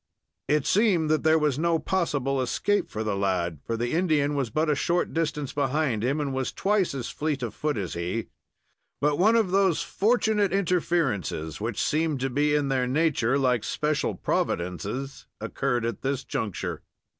It seemed that there was no possible escape for the lad, for the Indian was but a short distance behind him, and was twice as fleet of foot as he; but one of those fortunate interferences which seem to be in their nature like special Providences occurred at this juncture.